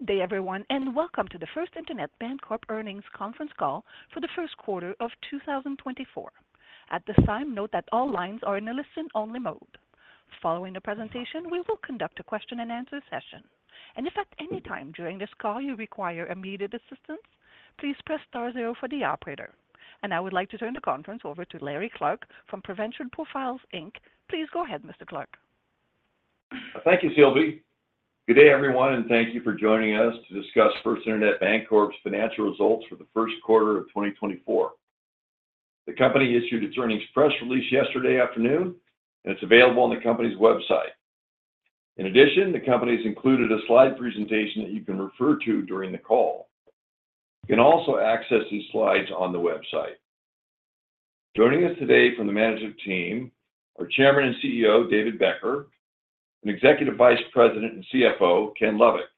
Good day, everyone, and welcome to the First Internet Bancorp Earnings Conference Call for the First Quarter of 2024. At this time, note that all lines are in a listen-only mode. Following the presentation, we will conduct a question-and-answer session. If at any time during this call you require immediate assistance, please press star zero for the operator. I would like to turn the conference over to Larry Clark from Financial Profiles, Inc. Please go ahead, Mr. Clark. Thank you, Sylvie. Good day, everyone, and thank you for joining us to discuss First Internet Bancorp's financial results for Q1 of 2024. The company issued its earnings press release yesterday afternoon, and it's available on the company's website. In addition, the company has included a slide presentation that you can refer to during the call. You can also access these slides on the website. Joining us today from the management team are Chairman and CEO David Becker and Executive Vice President and CFO Ken Lovik.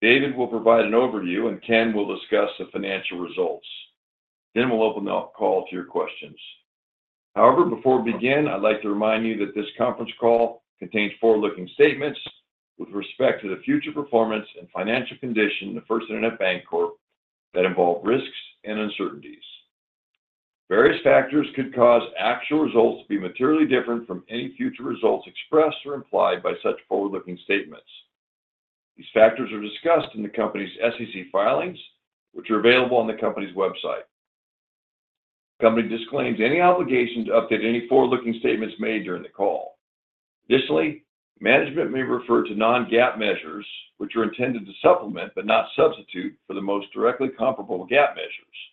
David will provide an overview, and Ken will discuss the financial results. Then we'll open the call to your questions. However, before we begin, I'd like to remind you that this conference call contains forward-looking statements with respect to the future performance and financial condition of First Internet Bancorp that involve risks and uncertainties. Various factors could cause actual results to be materially different from any future results expressed or implied by such forward-looking statements. These factors are discussed in the company's SEC filings, which are available on the company's website. The company disclaims any obligation to update any forward-looking statements made during the call. Additionally, management may refer to non-GAAP measures, which are intended to supplement but not substitute for the most directly comparable GAAP measures.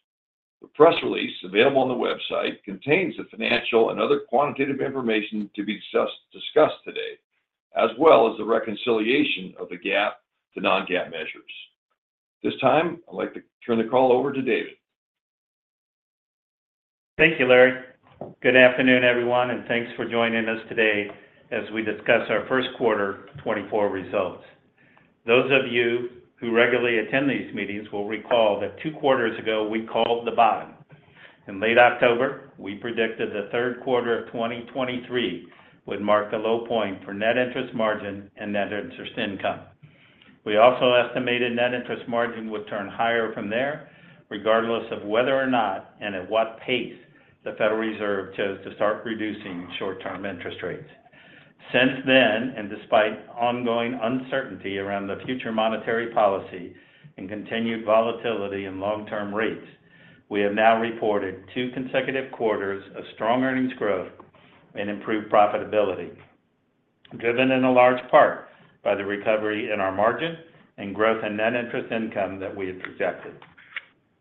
The press release available on the website contains the financial and other quantitative information to be discussed today, as well as the reconciliation of the GAAP to non-GAAP measures. This time, I'd like to turn the call over to David. Thank you, Larry. Good afternoon, everyone, and thanks for joining us today as we discuss ourQ1 2024 results. Those of you who regularly attend these meetings will recall that two quarters ago we called the bottom. In late October, we predicted Q3 of 2023 would mark the low point for net interest margin and net interest income. We also estimated net interest margin would turn higher from there, regardless of whether or not and at what pace the Federal Reserve chose to start reducing short-term interest rates. Since then, and despite ongoing uncertainty around the future monetary policy and continued volatility in long-term rates, we have now reported two consecutive quarters of strong earnings growth and improved profitability, driven in a large part by the recovery in our margin and growth in net interest income that we had projected.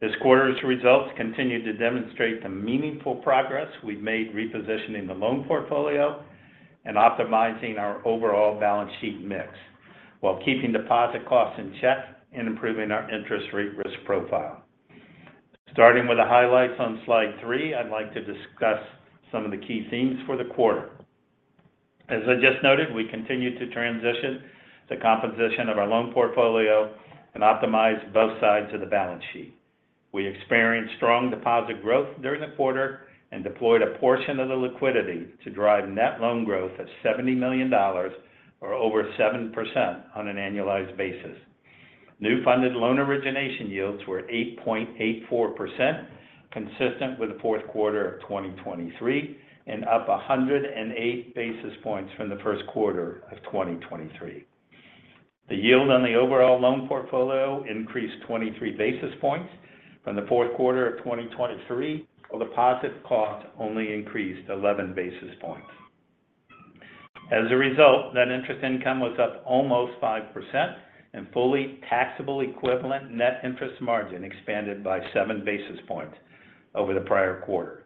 This quarter's results continue to demonstrate the meaningful progress we've made repositioning the loan portfolio and optimizing our overall balance sheet mix while keeping deposit costs in check and improving our interest rate risk profile. Starting with the highlights on slide three, I'd like to discuss some of the key themes for the quarter. As I just noted, we continue to transition the composition of our loan portfolio and optimize both sides of the balance sheet. We experienced strong deposit growth during the quarter and deployed a portion of the liquidity to drive net loan growth of $70 million, or over 7%, on an annualized basis. New funded loan origination yields were 8.84%, consistent with Q4 of 2023 and up 108 basis points from Q1 of 2023. The yield on the overall loan portfolio increased 23 basis points from Q4 of 2023, while deposit costs only increased 11 basis points. As a result, net interest income was up almost 5%, and fully taxable equivalent net interest margin expanded by 7 basis points over the prior quarter.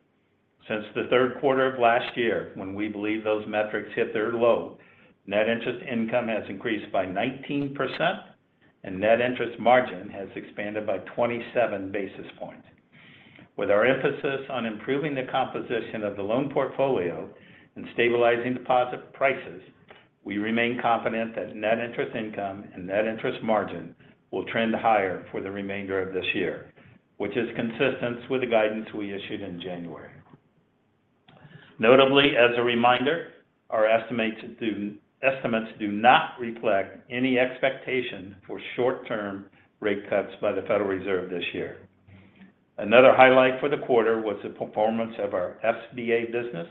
Since Q3 of last year, when we believe those metrics hit their low, net interest income has increased by 19%, and net interest margin has expanded by 27 basis points. With our emphasis on improving the composition of the loan portfolio and stabilizing deposit prices, we remain confident that net interest income and net interest margin will trend higher for the remainder of this year, which is consistent with the guidance we issued in January. Notably, as a reminder, our estimates do not reflect any expectation for short-term rate cuts by the Federal Reserve this year. Another highlight for the quarter was the performance of our SBA business.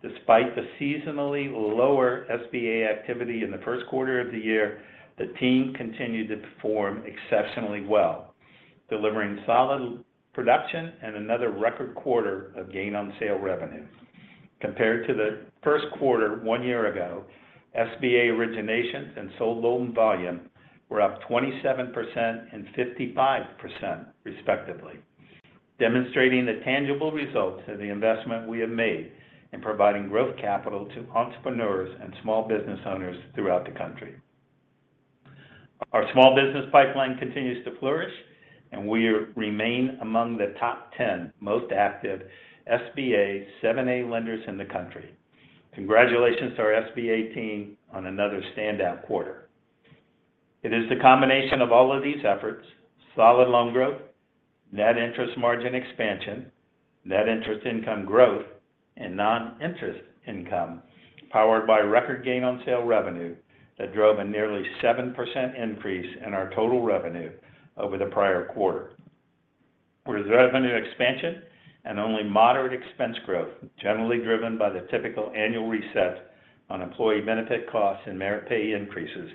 Despite the seasonally lower SBA activity in Q1 of the year, the team continued to perform exceptionally well, delivering solid production and another record quarter of gain-on-sale revenue. Compared to Q1 one year ago, SBA origination and sold-loan volume were up 27% and 55%, respectively, demonstrating the tangible results of the investment we have made in providing growth capital to entrepreneurs and small business owners throughout the country. Our small business pipeline continues to flourish, and we remain among the top 10 most active SBA 7(a) lenders in the country. Congratulations to our SBA team on another standout quarter. It is the combination of all of these efforts, solid loan growth, net interest margin expansion, net interest income growth, and non-interest income, powered by record gain-on-sale revenue that drove a nearly 7% increase in our total revenue over the prior quarter. With revenue expansion and only moderate expense growth, generally driven by the typical annual reset on employee benefit costs and merit pay increases,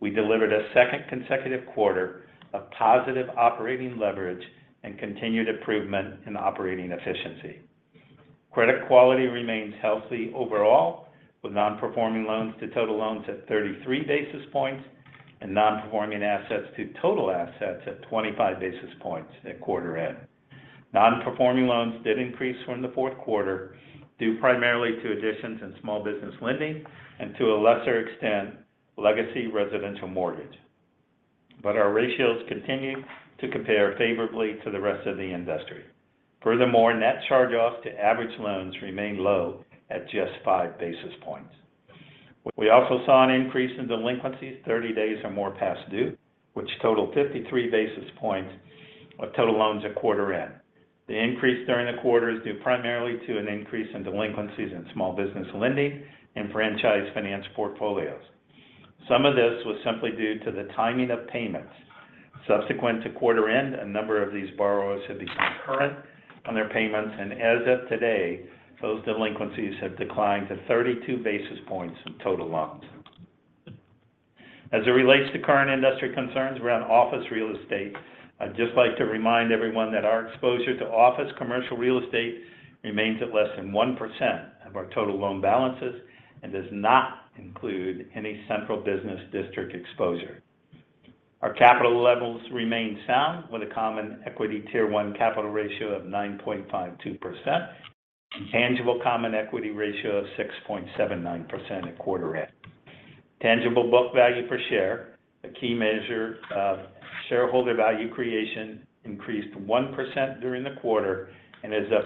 we delivered a second consecutive quarter of positive operating leverage and continued improvement in operating efficiency. Credit quality remains healthy overall, with non-performing loans to total loans at 33 basis points and non-performing assets to total assets at 25 basis points at quarter-end. Non-performing loans did increase from Q4 due primarily to additions in small business lending and, to a lesser extent, legacy residential mortgage. But our ratios continue to compare favorably to the rest of the industry. Furthermore, net charge-offs to average loans remain low at just 5 basis points. We also saw an increase in delinquencies 30 days or more past due, which totaled 53 basis points of total loans at quarter-end. The increase during the quarter is due primarily to an increase in delinquencies in small business lending and franchise finance portfolios. Some of this was simply due to the timing of payments. Subsequent to quarter-end, a number of these borrowers had become current on their payments, and as of today, those delinquencies have declined to 32 basis points in total loans. As it relates to current industry concerns around office real estate, I'd just like to remind everyone that our exposure to office commercial real estate remains at less than 1% of our total loan balances and does not include any central business district exposure. Our capital levels remain sound, with a Common Equity Tier 1 capital ratio of 9.52% and Tangible Common Equity ratio of 6.79% at quarter-end. Tangible book value per share, a key measure of shareholder value creation, increased 1% during the quarter and is up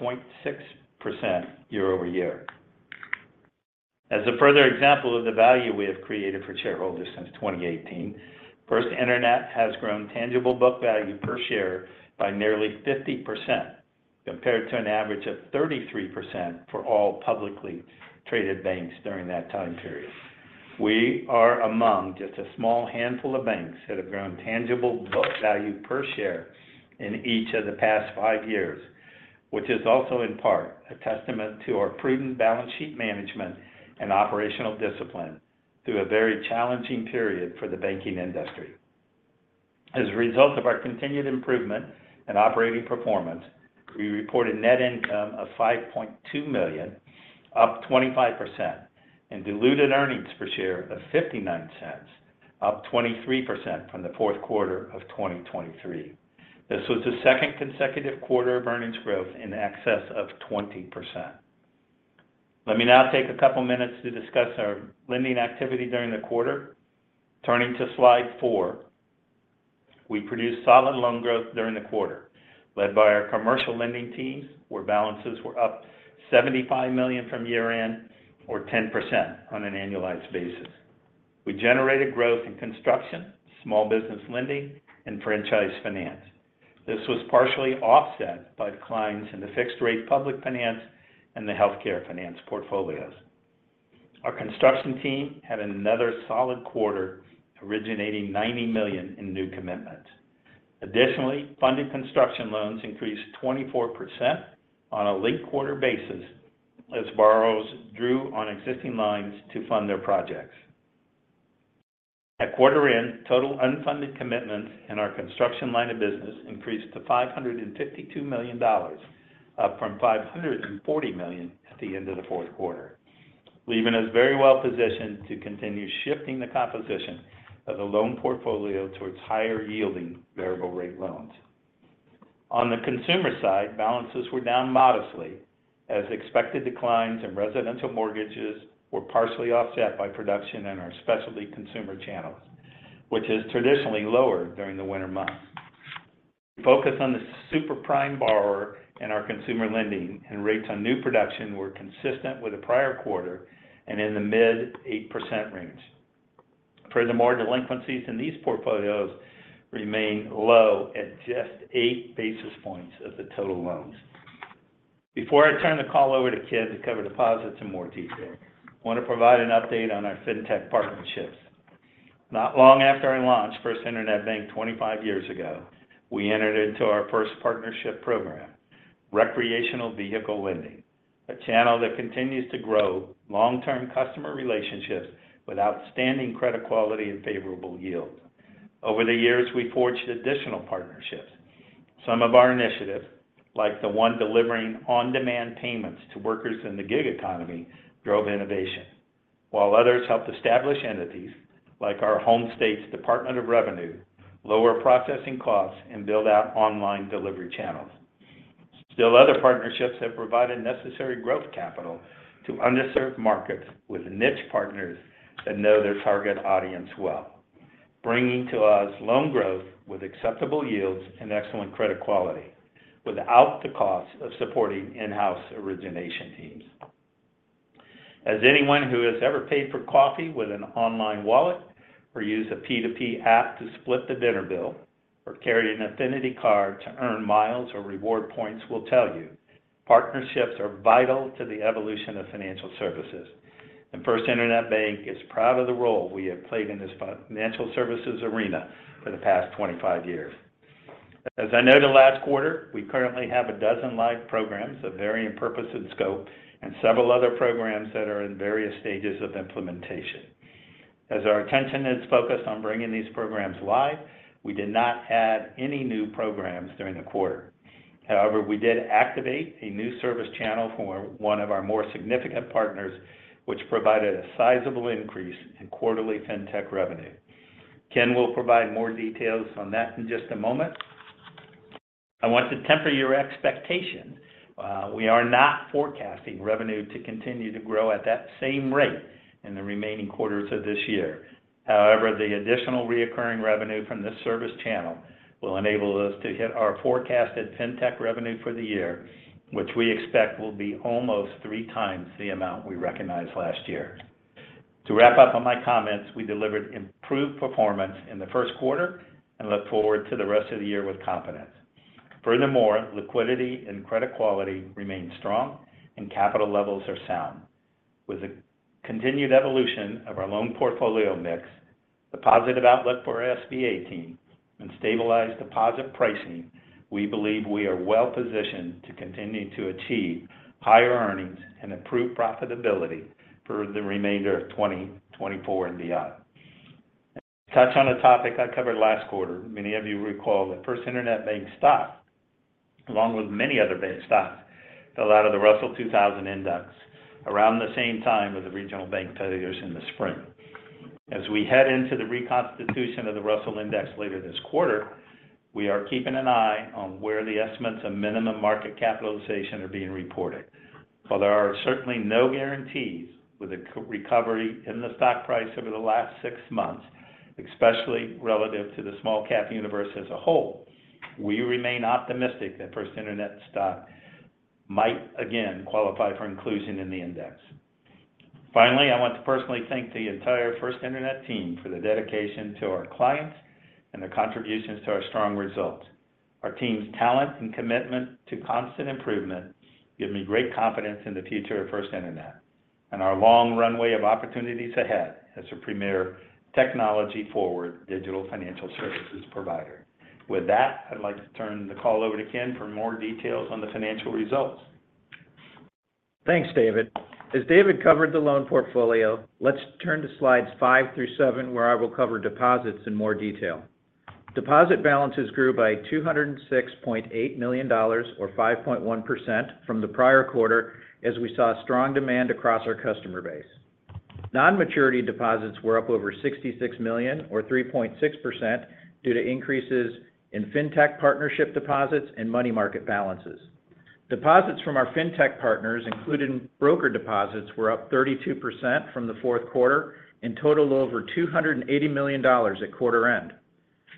6.6% year-over-year. As a further example of the value we have created for shareholders since 2018, First Internet has grown tangible book value per share by nearly 50%, compared to an average of 33% for all publicly traded banks during that time period. We are among just a small handful of banks that have grown tangible book value per share in each of the past five years, which is also in part a testament to our prudent balance sheet management and operational discipline through a very challenging period for the banking industry. As a result of our continued improvement in operating performance, we reported net income of $5.2 million, up 25%, and diluted earnings per share of $0.59, up 23% from Q4 of 2023. This was the second consecutive quarter of earnings growth in excess of 20%. Let me now take a couple minutes to discuss our lending activity during the quarter. Turning to slide four, we produced solid loan growth during the quarter, led by our commercial lending teams, where balances were up $75 million from year-end, or 10%, on an annualized basis. We generated growth in construction, small business lending, and franchise finance. This was partially offset by declines in the fixed-rate public finance and the healthcare finance portfolios. Our construction team had another solid quarter originating $90 million in new commitments. Additionally, funded construction loans increased 24% on a late quarter basis as borrowers drew on existing lines to fund their projects. At quarter-end, total unfunded commitments in our construction line of business increased to $552 million, up from $540 million at the end of Q4, leaving us very well positioned to continue shifting the composition of the loan portfolio towards higher-yielding variable-rate loans. On the consumer side, balances were down modestly as expected declines in residential mortgages were partially offset by production in our specialty consumer channels, which is traditionally lower during the winter months. We focused on the super prime borrower in our consumer lending, and rates on new production were consistent with the prior quarter and in the mid-8% range. Furthermore, delinquencies in these portfolios remain low at just 8 basis points of the total loans. Before I turn the call over to Ken to cover deposits in more detail, I want to provide an update on our FinTech partnerships. Not long after I launched First Internet Bank 25 years ago, we entered into our first partnership program, recreational vehicle lending, a channel that continues to grow long-term customer relationships with outstanding credit quality and favorable yields. Over the years, we forged additional partnerships. Some of our initiatives, like the one delivering on-demand payments to workers in the gig economy, drove innovation, while others helped establish entities, like our home state's Department of Revenue, lower processing costs and build out online delivery channels. Still, other partnerships have provided necessary growth capital to underserved markets with niche partners that know their target audience well, bringing to us loan growth with acceptable yields and excellent credit quality without the cost of supporting in-house origination teams. As anyone who has ever paid for coffee with an online wallet or used a P2P app to split the dinner bill or carried an affinity card to earn miles or reward points will tell you, partnerships are vital to the evolution of financial services, and First Internet Bank is proud of the role we have played in this financial services arena for the past 25 years. As I noted last quarter, we currently have a dozen live programs of varying purpose and scope and several other programs that are in various stages of implementation. As our attention is focused on bringing these programs live, we did not add any new programs during the quarter. However, we did activate a new service channel for one of our more significant partners, which provided a sizable increase in quarterly FinTech revenue. Ken will provide more details on that in just a moment. I want to temper your expectation. We are not forecasting revenue to continue to grow at that same rate in the remaining quarters of this year. However, the additional recurring revenue from this service channel will enable us to hit our forecasted FinTech revenue for the year, which we expect will be almost 3x the amount we recognized last year. To wrap up on my comments, we delivered improved performance in Q1 and look forward to the rest of the year with confidence. Furthermore, liquidity and credit quality remain strong, and capital levels are sound. With the continued evolution of our loan portfolio mix, the positive outlook for our SBA team, and stabilized deposit pricing, we believe we are well positioned to continue to achieve higher earnings and improved profitability for the remainder of 2024 and beyond. To touch on a topic I covered last quarter, many of you recall that First Internet Bank stock, along with many other bank stocks, fell out of the Russell 2000 Index around the same time as the regional bank failures in the spring. As we head into the reconstitution of the Russell index later this quarter, we are keeping an eye on where the estimates of minimum market capitalization are being reported. While there are certainly no guarantees with a recovery in the stock price over the last six months, especially relative to the small cap universe as a whole, we remain optimistic that First Internet stock might again qualify for inclusion in the index. Finally, I want to personally thank the entire First Internet team for the dedication to our clients and their contributions to our strong results. Our team's talent and commitment to constant improvement give me great confidence in the future of First Internet and our long runway of opportunities ahead as a premier technology-forward digital financial services provider. With that, I'd like to turn the call over to Ken for more details on the financial results. Thanks, David. As David covered the loan portfolio, let's turn to slides five through seven, where I will cover deposits in more detail. Deposit balances grew by $206.8 million, or 5.1%, from the prior quarter as we saw strong demand across our customer base. Non-maturity deposits were up over $66 million, or 3.6%, due to increases in FinTech partnership deposits and money market balances. Deposits from our FinTech partners, including broker deposits, were up 32% from Q4 and totaled over $280 million at quarter-end.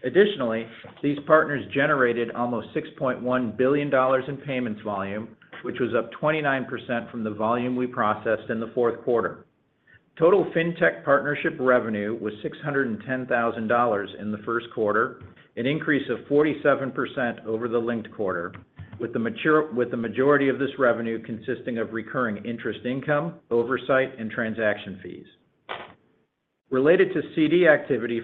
Additionally, these partners generated almost $6.1 billion in payments volume, which was up 29% from the volume we processed in Q4. Total FinTech partnership revenue was $610,000 in Q1, an increase of 47% over the linked quarter, with the majority of this revenue consisting of recurring interest income, oversight, and transaction fees. Related to CD activity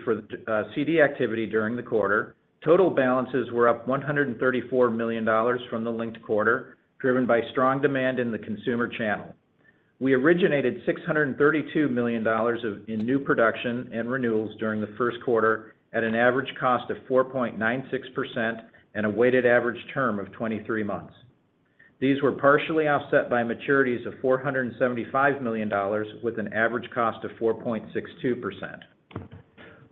during the quarter, total balances were up $134 million from the linked quarter, driven by strong demand in the consumer channel. We originated $632 million in new production and renewals during Q1 at an average cost of 4.96% and a weighted average term of 23 months. These were partially offset by maturities of $475 million, with an average cost of 4.62%.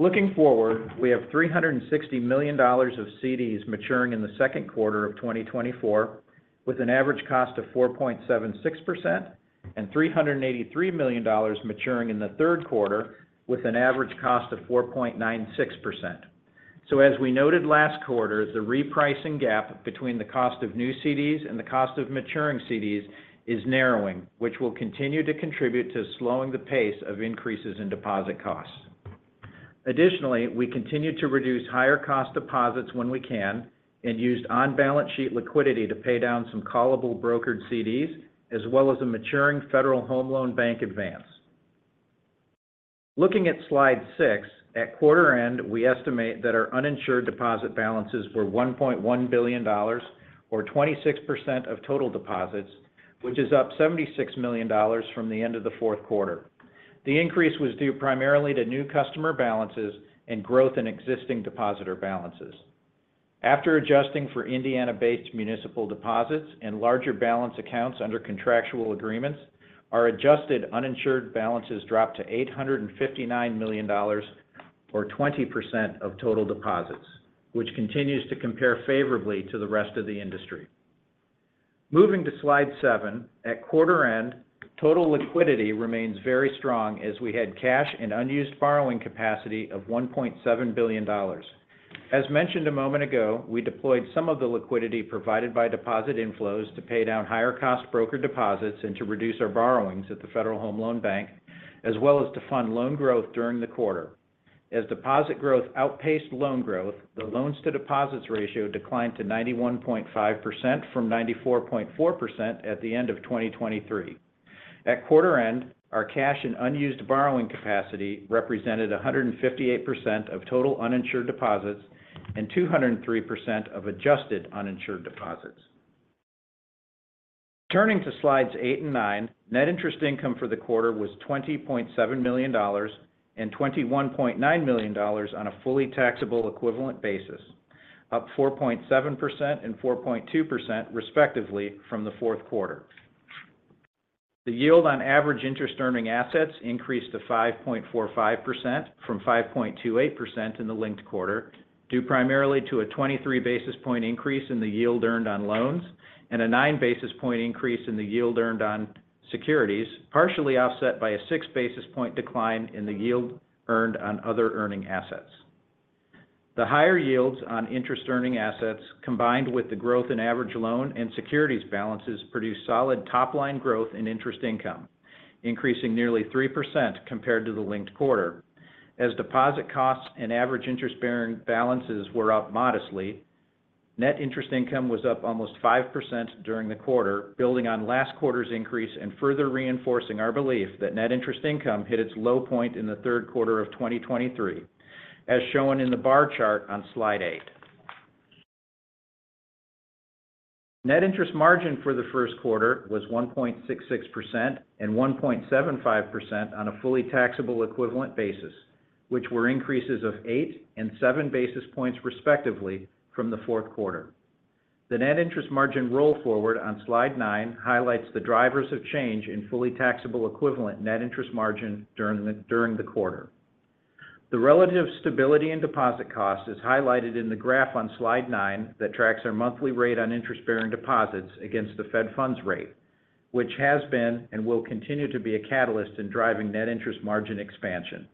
Looking forward, we have $360 million of CDs maturing in Q2 of 2024, with an average cost of 4.76%, and $383 million maturing in Q3, with an average cost of 4.96%. So, as we noted last quarter, the repricing gap between the cost of new CDs and the cost of maturing CDs is narrowing, which will continue to contribute to slowing the pace of increases in deposit costs. Additionally, we continue to reduce higher cost deposits when we can and used on-balance sheet liquidity to pay down some callable brokered CDs, as well as a maturing Federal Home Loan Bank advance. Looking at slide six, at quarter-end, we estimate that our uninsured deposit balances were $1.1 billion, or 26% of total deposits, which is up $76 million from the end of Q4. The increase was due primarily to new customer balances and growth in existing depositor balances. After adjusting for Indiana-based municipal deposits and larger balance accounts under contractual agreements, our adjusted uninsured balances dropped to $859 million, or 20% of total deposits, which continues to compare favorably to the rest of the industry. Moving to slide seven, at quarter-end, total liquidity remains very strong as we had cash and unused borrowing capacity of $1.7 billion. As mentioned a moment ago, we deployed some of the liquidity provided by deposit inflows to pay down higher cost broker deposits and to reduce our borrowings at the Federal Home Loan Bank, as well as to fund loan growth during the quarter. As deposit growth outpaced loan growth, the loans-to-deposits ratio declined to 91.5% from 94.4% at the end of 2023. At quarter-end, our cash and unused borrowing capacity represented 158% of total uninsured deposits and 203% of adjusted uninsured deposits. Turning to slides eight and nine, net interest income for the quarter was $20.7 million and $21.9 million on a fully taxable equivalent basis, up 4.7% and 4.2%, respectively, from Q4. The yield on average interest-earning assets increased to 5.45% from 5.28% in the linked quarter, due primarily to a 23 basis point increase in the yield earned on loans and a 9 basis point increase in the yield earned on securities, partially offset by a 6 basis point decline in the yield earned on other earning assets. The higher yields on interest-earning assets, combined with the growth in average loan and securities balances, produced solid top-line growth in interest income, increasing nearly 3% compared to the linked quarter. As deposit costs and average interest-bearing balances were up modestly, net interest income was up almost 5% during the quarter, building on last quarter's increase and further reinforcing our belief that net interest income hit its low point in Q3 of 2023, as shown in the bar chart on slide eight. Net interest margin for Q1 was 1.66% and 1.75% on a fully taxable equivalent basis, which were increases of eight and seven basis points, respectively, from Q4. The net interest margin roll forward on slide nine highlights the drivers of change in fully taxable equivalent net interest margin during the quarter. The relative stability in deposit cost is highlighted in the graph on slide nine that tracks our monthly rate on interest-bearing deposits against the Fed funds rate, which has been and will continue to be a catalyst in driving net interest margin expansion.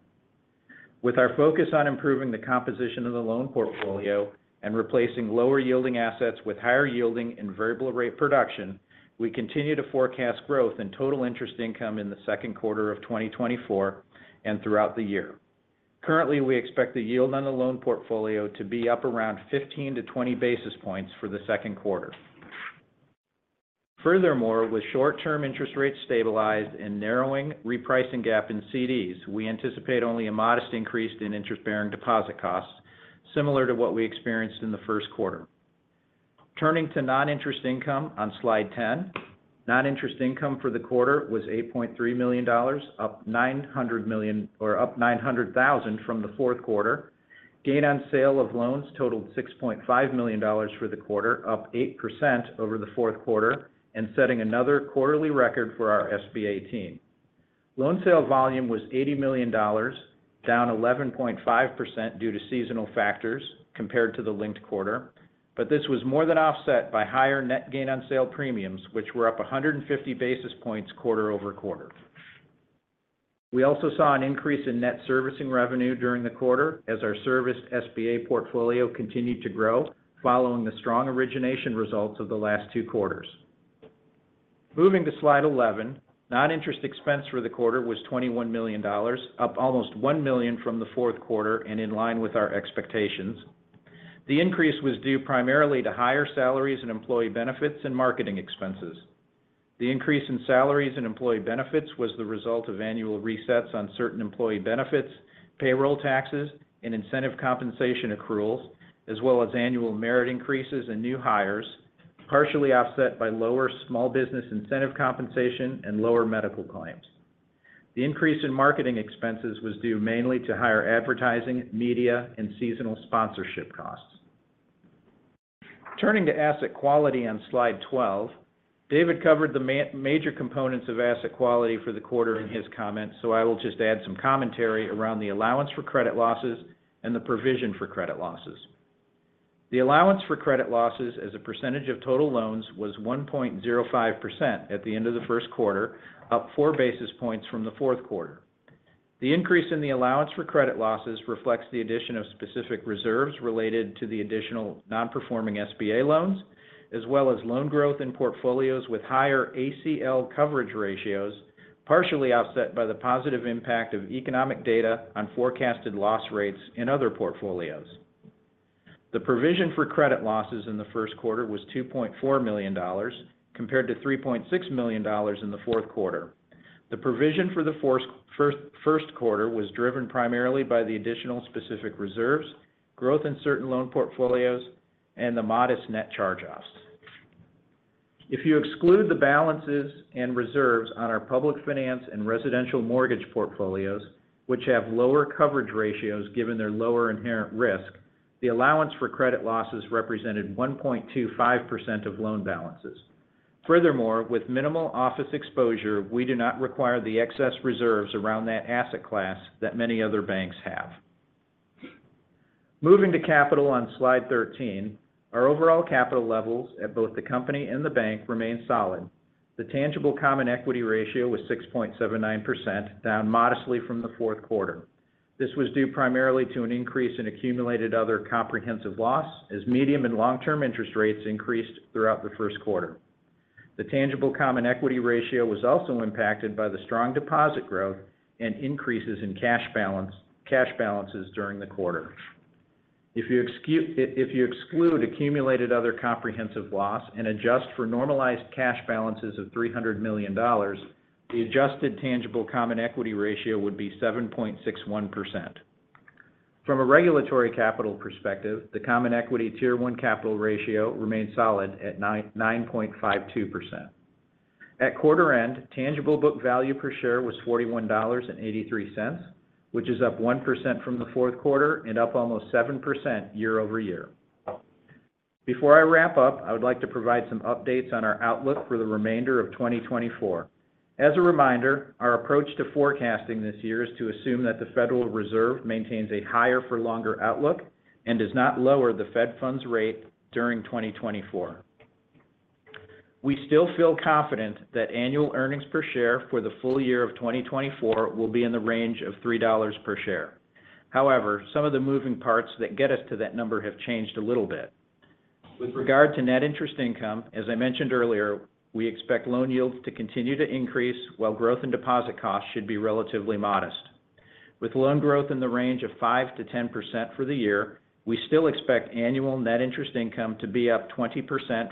With our focus on improving the composition of the loan portfolio and replacing lower-yielding assets with higher-yielding and variable-rate production, we continue to forecast growth in total interest income in Q2 of 2024 and throughout the year. Currently, we expect the yield on the loan portfolio to be up around 15 to 20 basis points for Q2. Furthermore, with short-term interest rates stabilized and narrowing repricing gap in CDs, we anticipate only a modest increase in interest-bearing deposit costs, similar to what we experienced in Q1. Turning to non-interest income on slide 10, non-interest income for the quarter was $8.3 million, up 900 thousand from Q4. Gain on sale of loans totaled $6.5 million for the quarter, up 8% over Q4, and setting another quarterly record for our SBA team. Loan sale volume was $80 million, down 11.5% due to seasonal factors compared to the linked quarter, but this was more than offset by higher net gain on sale premiums, which were up 150 basis points quarter-over-quarter. We also saw an increase in net servicing revenue during the quarter as our serviced SBA portfolio continued to grow following the strong origination results of the last two quarters. Moving to slide 11, non-interest expense for the quarter was $21 million, up almost $1 million from Q4 and in line with our expectations. The increase was due primarily to higher salaries and employee benefits and marketing expenses. The increase in salaries and employee benefits was the result of annual resets on certain employee benefits, payroll taxes, and incentive compensation accruals, as well as annual merit increases and new hires, partially offset by lower small business incentive compensation and lower medical claims. The increase in marketing expenses was due mainly to higher advertising, media, and seasonal sponsorship costs. Turning to asset quality on slide 12, David covered the major components of asset quality for the quarter in his comments, so I will just add some commentary around the allowance for credit losses and the provision for credit losses. The allowance for credit losses as a percentage of total loans was 1.05% at the end of Q1, up four basis points from Q4. The increase in the allowance for credit losses reflects the addition of specific reserves related to the additional non-performing SBA loans, as well as loan growth in portfolios with higher ACL coverage ratios, partially offset by the positive impact of economic data on forecasted loss rates in other portfolios. The provision for credit losses in Q1 was $2.4 million, compared to $3.6 million in Q4. The provision for Q1 was driven primarily by the additional specific reserves, growth in certain loan portfolios, and the modest net charge-offs. If you exclude the balances and reserves on our public finance and residential mortgage portfolios, which have lower coverage ratios given their lower inherent risk, the allowance for credit losses represented 1.25% of loan balances. Furthermore, with minimal office exposure, we do not require the excess reserves around that asset class that many other banks have. Moving to capital on slide 13, our overall capital levels at both the company and the bank remain solid. The Tangible Common Equity ratio was 6.79%, down modestly from Q4. This was due primarily to an increase in Accumulated Other Comprehensive Loss as medium- and long-term interest rates increased throughout Q1. The Tangible Common Equity ratio was also impacted by the strong deposit growth and increases in cash balances during the quarter. If you exclude Accumulated Other Comprehensive Loss and adjust for normalized cash balances of $300 million, the adjusted Tangible Common Equity ratio would be 7.61%. From a regulatory capital perspective, the Common Equity Tier 1 capital ratio remains solid at 9.52%. At quarter-end, tangible book value per share was $41.83, which is up 1% from Q4 and up almost 7% year-over-year. Before I wrap up, I would like to provide some updates on our outlook for the remainder of 2024. As a reminder, our approach to forecasting this year is to assume that the Federal Reserve maintains a higher-for-longer outlook and does not lower the Fed funds rate during 2024. We still feel confident that annual earnings per share for the full year of 2024 will be in the range of $3 per share. However, some of the moving parts that get us to that number have changed a little bit. With regard to net interest income, as I mentioned earlier, we expect loan yields to continue to increase while growth in deposit costs should be relatively modest. With loan growth in the range of 5% to 10% for the year, we still expect annual net interest income to be up 20%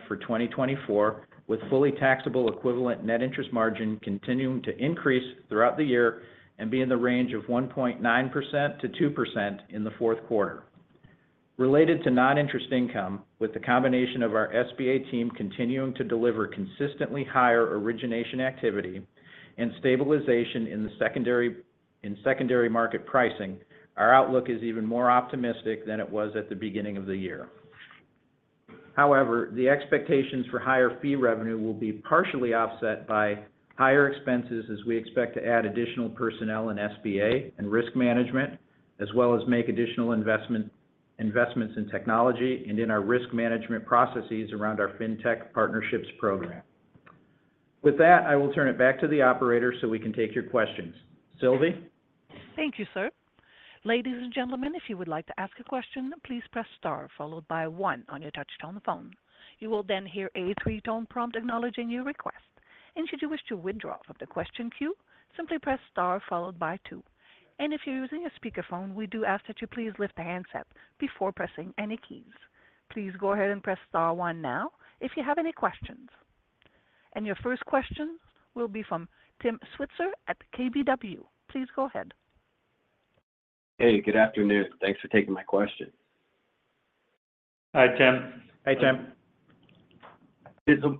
for 2024, with fully taxable equivalent net interest margin continuing to increase throughout the year and be in the range of 1.9% to 2% in Q4. Related to non-interest income, with the combination of our SBA team continuing to deliver consistently higher origination activity and stabilization in the secondary market pricing, our outlook is even more optimistic than it was at the beginning of the year. However, the expectations for higher fee revenue will be partially offset by higher expenses as we expect to add additional personnel in SBA and risk management, as well as make additional investments in technology and in our risk management processes around our FinTech Partnerships program. With that, I will turn it back to the operator so we can take your questions. Sylvie? Thank you, sir. Ladies and gentlemen, if you would like to ask a question, please press star followed by one on your touchscreen on the phone. You will then hear a three-tone prompt acknowledging your request. Should you wish to withdraw from the question queue, simply press star followed by two. If you're using a speakerphone, we do ask that you please lift the handset before pressing any keys. Please go ahead and press star one now if you have any questions. Your first question will be from Tim Switzer at KBW. Please go ahead. Hey, good afternoon. Thanks for taking my question. Hi, Tim. Hi, Tim.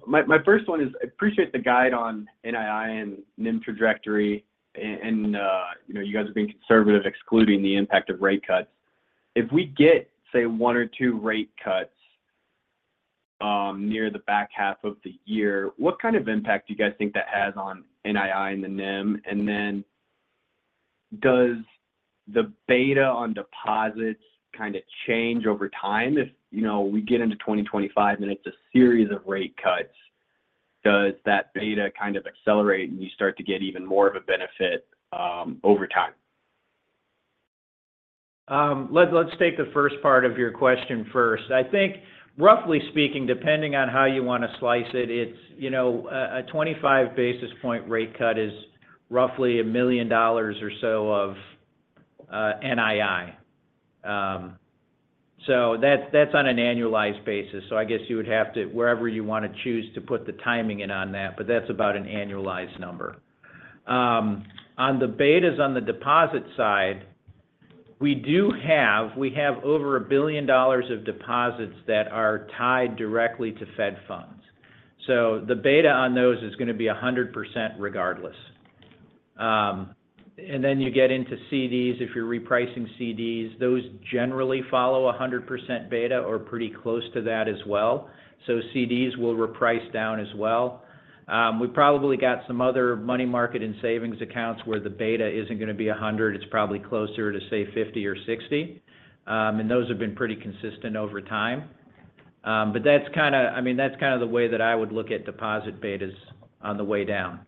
My first one is I appreciate the guide on NII and NIM trajectory, and you guys are being conservative excluding the impact of rate cuts. If we get, say, one or two rate cuts near the back half of the year, what kind of impact do you guys think that has on NII and the NIM? And then does the beta on deposits kind of change over time? If we get into 2025 and it's a series of rate cuts, does that beta kind of accelerate and you start to get even more of a benefit over time? Let's take the first part of your question first. I think, roughly speaking, depending on how you want to slice it, a 25 basis point rate cut is roughly $1 million or so of NII. So that's on an annualized basis, so I guess you would have to wherever you want to choose to put the timing in on that, but that's about an annualized number. On the betas on the deposit side, we have over $1 billion of deposits that are tied directly to Fed funds. So the beta on those is going to be 100% regardless. And then you get into CDs if you're repricing CDs. Those generally follow a 100% beta or pretty close to that as well, so CDs will reprice down as well. We probably got some other money market and savings accounts where the beta isn't going to be 100. It's probably closer to, say, 50 or 60, and those have been pretty consistent over time. But that's kind of the way that I would look at deposit betas on the way down.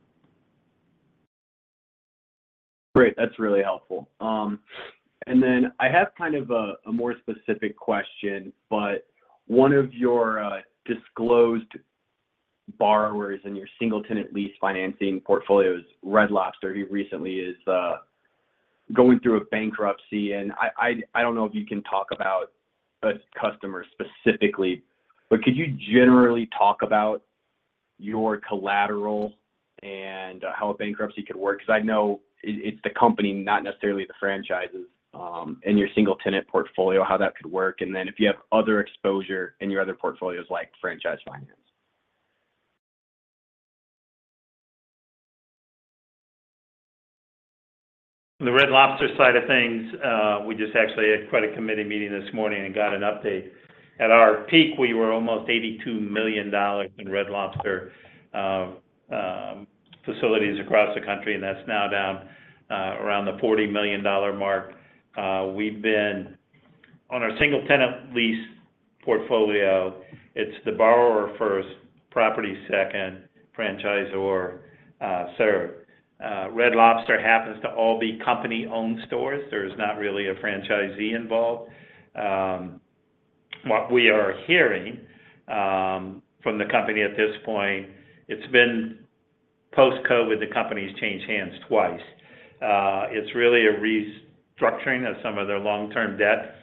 Great. That's really helpful. And then I have kind of a more specific question, but one of your disclosed borrowers in your single tenant lease financing portfolio is Red Lobster. He recently is going through a bankruptcy, and I don't know if you can talk about a customer specifically, but could you generally talk about your collateral and how a bankruptcy could work? Because I know it's the company, not necessarily the franchises in your single tenant lease portfolio, how that could work, and then if you have other exposure in your other portfolios like franchise finance. On the Red Lobster side of things, we just actually had quite a committee meeting this morning and got an update. At our peak, we were almost $82 million in Red Lobster facilities across the country, and that's now down around the $40 million mark. On our single tenant lease portfolio, it's the borrower first, property second, franchisor third. Red Lobster happens to all be company-owned stores. There is not really a franchisee involved. What we are hearing from the company at this point, it's been post-COVID. The company's changed hands twice. It's really a restructuring of some of their long-term debt.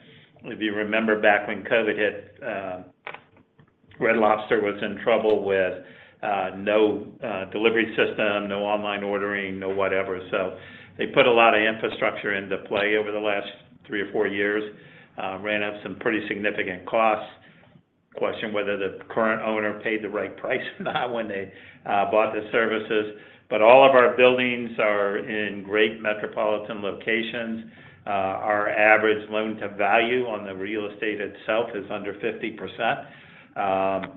If you remember back when COVID hit, Red Lobster was in trouble with no delivery system, no online ordering, no whatever. So they put a lot of infrastructure into play over the last three or four years, ran up some pretty significant costs. Question whether the current owner paid the right price or not when they bought the services. But all of our buildings are in great metropolitan locations. Our average loan to value on the real estate itself is under 50%.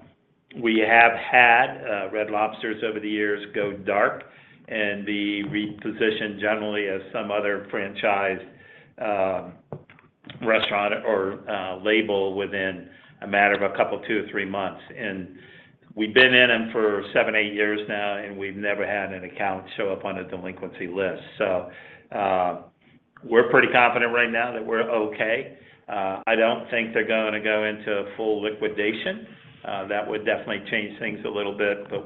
We have had Red Lobsters over the years go dark and be repositioned generally as some other franchised restaurant or label within a matter of a couple, two/three months. And we've been in them for seven/eight years now, and we've never had an account show up on a delinquency list. So we're pretty confident right now that we're okay. I don't think they're going to go into a full liquidation. That would definitely change things a little bit, but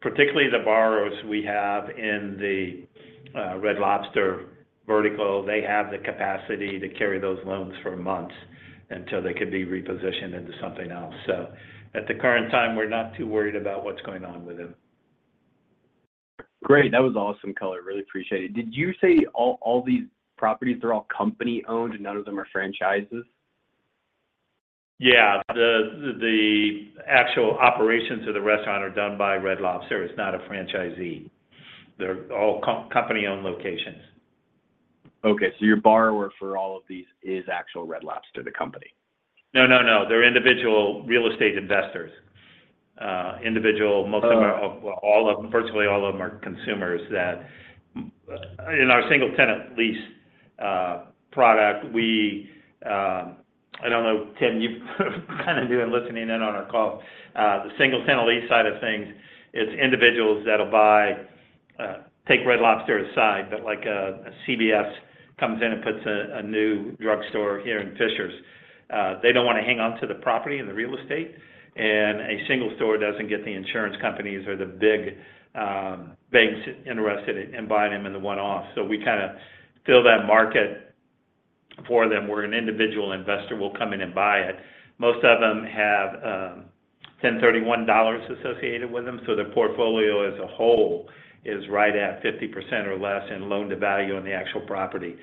particularly the borrowers we have in the Red Lobster vertical, they have the capacity to carry those loans for months until they could be repositioned into something else. At the current time, we're not too worried about what's going on with them. Great. That was awesome, caller. Really appreciate it. Did you say all these properties, they're all company-owned and none of them are franchises? Yeah. The actual operations of the restaurant are done by Red Lobster. It's not a franchisee. They're all company-owned locations. Okay. So your borrower for all of these is actual Red Lobster, the company? No, no, no. They're individual real estate investors. Individual, most of them, well, virtually all of them are consumers that in our single tenant lease product, we, I don't know, Tim, you've kind of been listening in on our call. The single tenant lease side of things, it's individuals that'll buy. Take Red Lobster aside, but a CVS comes in and puts a new drugstore here in Fishers. They don't want to hang onto the property and the real estate, and a single store doesn't get the insurance companies or the big banks interested in buying them in the one-off. So we kind of fill that market for them where an individual investor will come in and buy it. Most of them have 1031 exchanges associated with them, so their portfolio as a whole is right at 50% or less in loan-to-value on the actual property.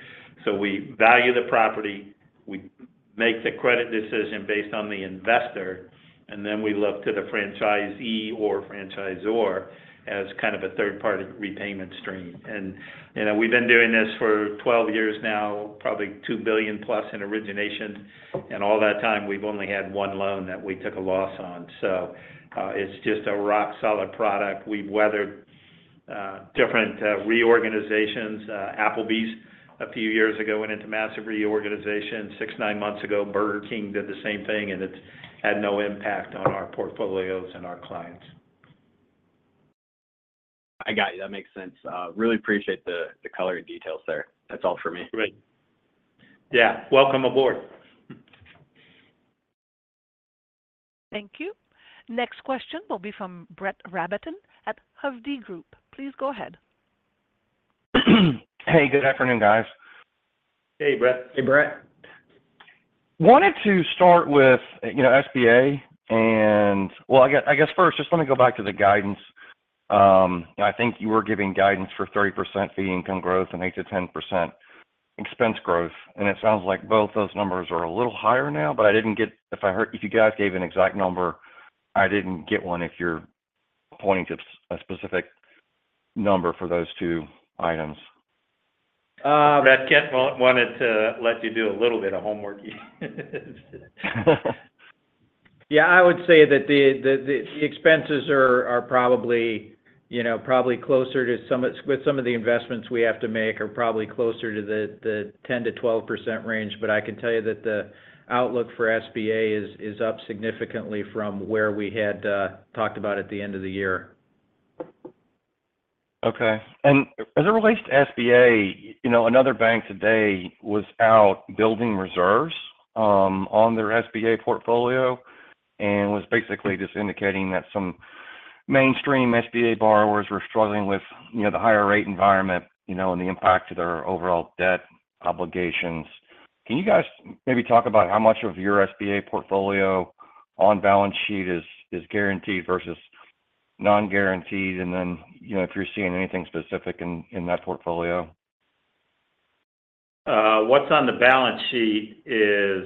So we value the property. We make the credit decision based on the investor, and then we look to the franchisee or franchisor as kind of a third-party repayment stream. And we've been doing this for 12 years now, probably $2 billion+ in origination, and all that time, we've only had one loan that we took a loss on. So it's just a rock-solid product. We've weathered different reorganizations. Applebee's a few years ago went into massive reorganization. 6/9 months ago, Burger King did the same thing, and it's had no impact on our portfolios and our clients. I got you. That makes sense. Really appreciate the color and details there. That's all for me. Great. Yeah. Welcome aboard. Thank you. Next question will be from Brett Rabatin at Hovde Group. Please go ahead. Hey. Good afternoon, guys. Hey, Brett. Hey, Brett. Wanted to start with SBA and well, I guess first, just let me go back to the guidance. I think you were giving guidance for 30% fee income growth and 8% to 10% expense growth, and it sounds like both those numbers are a little higher now, but I didn't get if you guys gave an exact number, I didn't get one if you're pointing to a specific number for those two items. Brett, Ken wanted to let you do a little bit of homework. Yeah. I would say that the expenses are probably closer to some with some of the investments we have to make are probably closer to the 10% to 12% range, but I can tell you that the outlook for SBA is up significantly from where we had talked about at the end of the year. Okay. As it relates to SBA, another bank today was out building reserves on their SBA portfolio and was basically just indicating that some mainstream SBA borrowers were struggling with the higher rate environment and the impact to their overall debt obligations. Can you guys maybe talk about how much of your SBA portfolio on balance sheet is guaranteed versus non-guaranteed, and then if you're seeing anything specific in that portfolio? What's on the balance sheet is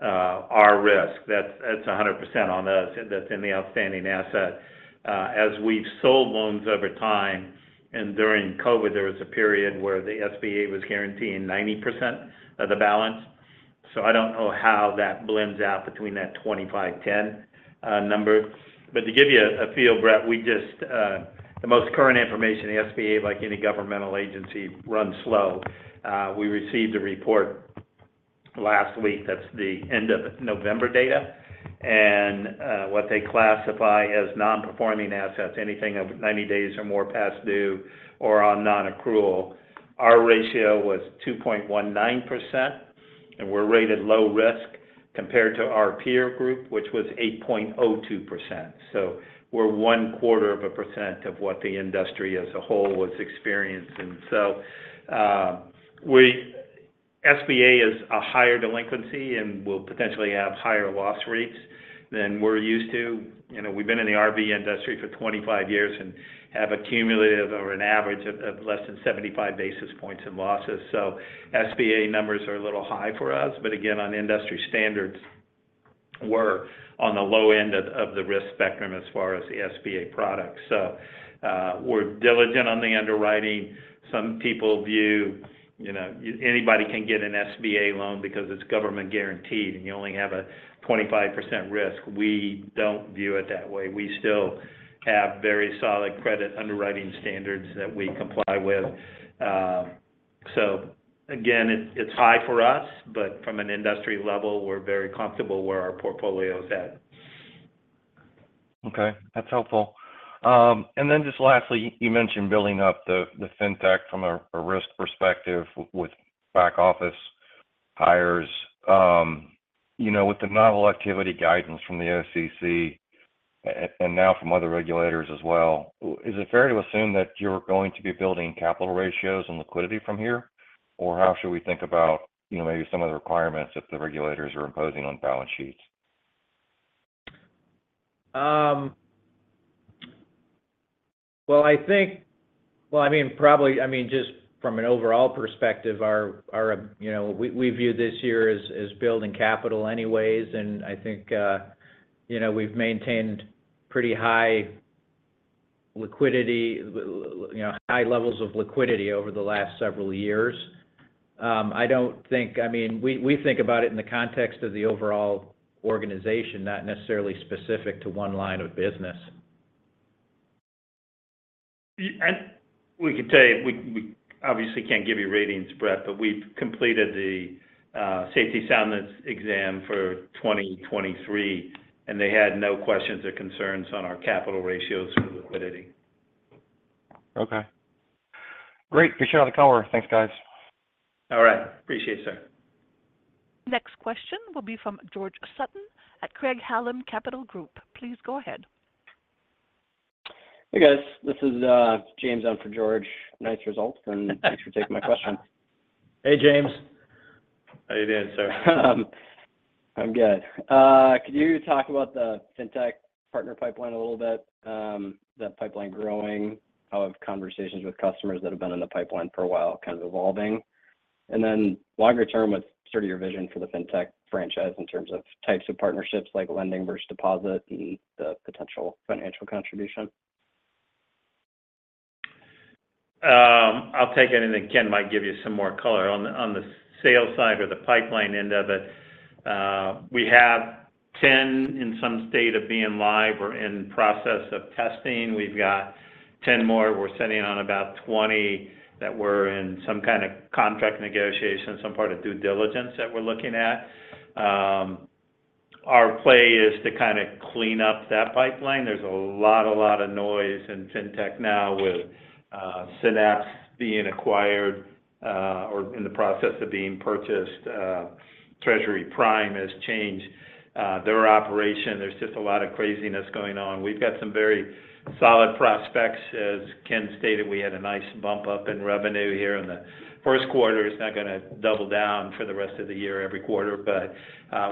our risk. That's 100% on us. That's in the outstanding asset. As we've sold loans over time, and during COVID, there was a period where the SBA was guaranteeing 90% of the balance, so I don't know how that blends out between that 25/10. But to give you a feel, Brett, we have just the most current information, the SBA, like any governmental agency, runs slow. We received a report last week. That's the end of November data. And what they classify as non-performing assets, anything of 90 days or more past due or on non-accrual, our ratio was 2.19%, and we're rated low risk compared to our peer group, which was 8.02%. So we're 0.25% of what the industry as a whole was experiencing. So SBA is a higher delinquency and will potentially have higher loss rates than we're used to. We've been in the RV industry for 25 years and have a cumulative or an average of less than 75 basis points in losses, so SBA numbers are a little high for us. But again, on industry standards, we're on the low end of the risk spectrum as far as the SBA products. So we're diligent on the underwriting. Some people view anybody can get an SBA loan because it's government guaranteed and you only have a 25% risk. We don't view it that way. We still have very solid credit underwriting standards that we comply with. So again, it's high for us, but from an industry level, we're very comfortable where our portfolio's at. Okay. That's helpful. And then just lastly, you mentioned building up the fintech from a risk perspective with back office hires. With the novel activity guidance from the OCC and now from other regulators as well, is it fair to assume that you're going to be building capital ratios and liquidity from here, or how should we think about maybe some of the requirements that the regulators are imposing on balance sheets? Well, I mean, probably I mean, just from an overall perspective, we view this year as building capital anyways, and I think we've maintained pretty high liquidity, high levels of liquidity over the last several years. I don't think I mean, we think about it in the context of the overall organization, not necessarily specific to one line of business. We can tell you we obviously can't give you ratings, Brett, but we've completed the safety and soundness exam for 2023, and they had no questions or concerns on our capital ratios or liquidity. Okay. Great. Good share on the color. Thanks, guys. All right. Appreciate it, sir. Next question will be from George Sutton at Craig-Hallum Capital Group. Please go ahead. Hey, guys. This is James on for George. Nice result, and thanks for taking my question. Hey, James. How are you doing, sir? I'm good. Could you talk about the fintech partner pipeline a little bit, that pipeline growing, how you have conversations with customers that have been in the pipeline for a while, kind of evolving, and then longer term with sort of your vision for the fintech franchise in terms of types of partnerships like lending versus deposit and the potential financial contribution? I'll take anything Ken might give you some more color on the sales side or the pipeline end of it. We have 10 in some state of being live. We're in process of testing. We've got 10 more. We're sitting on about 20 that were in some kind of contract negotiation, some part of due diligence that we're looking at. Our play is to kind of clean up that pipeline. There's a lot, a lot of noise in fintech now with Synapse being acquired or in the process of being purchased. Treasury Prime has changed their operation. There's just a lot of craziness going on. We've got some very solid prospects. As Ken stated, we had a nice bump up in revenue here in Q1. It's not going to double down for the rest of the year every quarter, but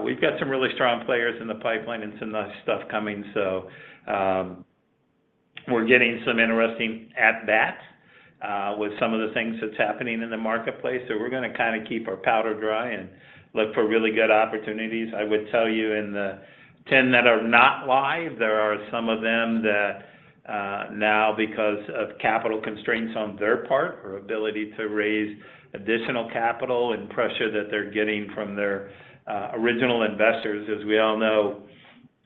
we've got some really strong players in the pipeline and some nice stuff coming, so we're getting some interesting at-bats with some of the things that's happening in the marketplace. So we're going to kind of keep our powder dry and look for really good opportunities. I would tell you in the 10 that are not live, there are some of them that now, because of capital constraints on their part or ability to raise additional capital and pressure that they're getting from their original investors, as we all know,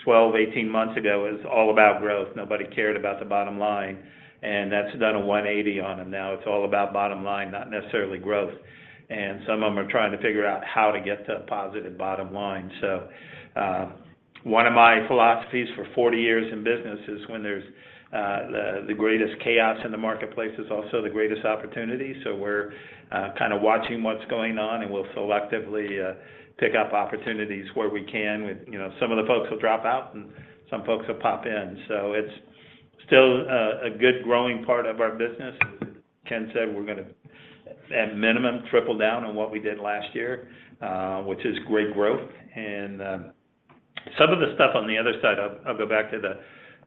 12, 18 months ago was all about growth. Nobody cared about the bottom line, and that's done a 180 on them. Now it's all about bottom line, not necessarily growth. And some of them are trying to figure out how to get to a positive bottom line. So one of my philosophies for 40 years in business is when there's the greatest chaos in the marketplace is also the greatest opportunity. So we're kind of watching what's going on, and we'll selectively pick up opportunities where we can. Some of the folks will drop out, and some folks will pop in. So it's still a good growing part of our business. As Ken said, we're going to, at minimum, triple down on what we did last year, which is great growth. And some of the stuff on the other side I'll go back to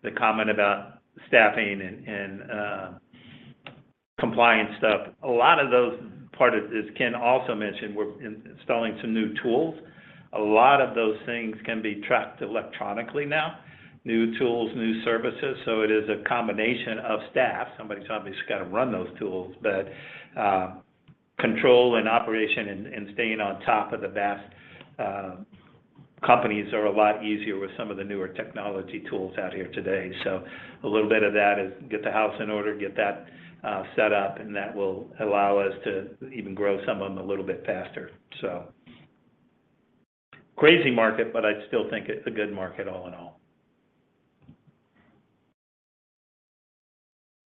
the comment about staffing and compliance stuff. A lot of those part of as Ken also mentioned, we're installing some new tools. A lot of those things can be tracked electronically now, new tools, new services. So it is a combination of staff. Somebody's obviously got to run those tools, but control and operation and staying on top of the best companies are a lot easier with some of the newer technology tools out here today. So a little bit of that is get the house in order, get that set up, and that will allow us to even grow some of them a little bit faster, so. Crazy market, but I still think it's a good market all in all.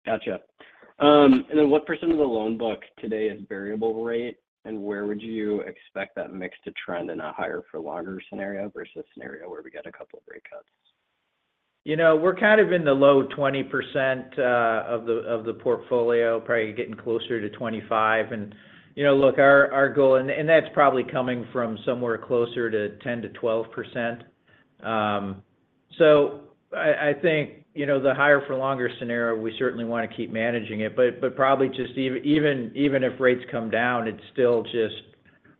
Gotcha. And then what percent of the loan book today is variable rate, and where would you expect that mix to trend in a higher-for-longer scenario versus a scenario where we get a couple of rate cuts? We're kind of in the low 20% of the portfolio, probably getting closer to 25. And look, our goal and that's probably coming from somewhere closer to 10% to 12%. So I think the higher-for-longer scenario, we certainly want to keep managing it, but probably just even if rates come down, it's still just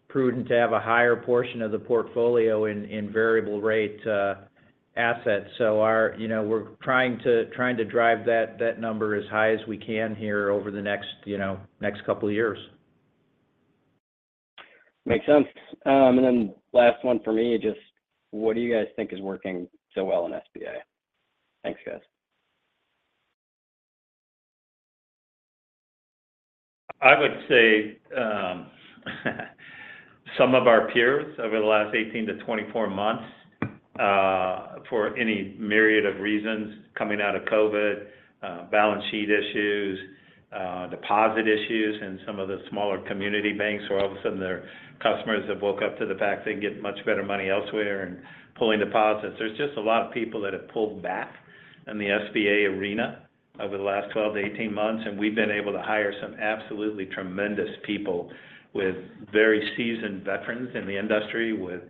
prudent to have a higher portion of the portfolio in variable rate assets. So we're trying to drive that number as high as we can here over the next couple of years. Makes sense. And then last one for me, just what do you guys think is working so well in SBA? Thanks, guys. I would say some of our peers over the last 18 to 24 months, for any myriad of reasons, coming out of COVID, balance sheet issues, deposit issues, and some of the smaller community banks where all of a sudden their customers have woken up to the fact they can get much better money elsewhere and pulling deposits. There's just a lot of people that have pulled back in the SBA arena over the last 12 to 18 months, and we've been able to hire some absolutely tremendous people with very seasoned veterans in the industry with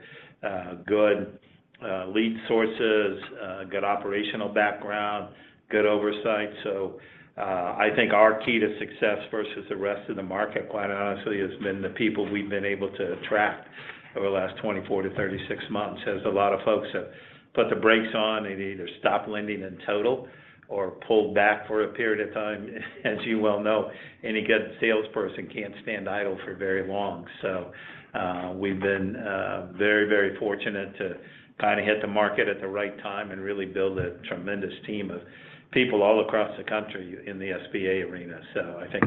good lead sources, good operational background, good oversight. So I think our key to success versus the rest of the market, quite honestly, has been the people we've been able to attract over the last 24 to 36 months. As a lot of folks have put the brakes on, they've either stopped lending in total or pulled back for a period of time. As you well know, any good salesperson can't stand idle for very long. So we've been very, very fortunate to kind of hit the market at the right time and really build a tremendous team of people all across the country in the SBA arena. So I think